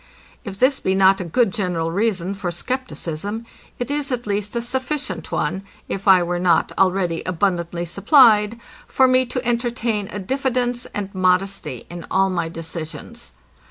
If this be not a good general reason for scepticism, it is at least a sufficient one (if I were not already abundantly supplied) for me to entertain a diffidence and modesty in all my decisions.